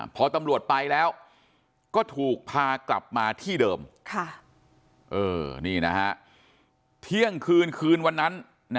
พอตำรวจไปแล้วก็ถูกพากลับมาที่เดิมนี่นะฮะเที่ยงคืนคืนวันนั้น